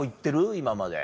今まで。